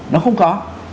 nó không có